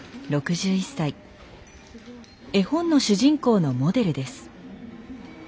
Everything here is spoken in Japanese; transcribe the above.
絵本の主人公のモデルです。